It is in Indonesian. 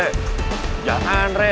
eh jangan re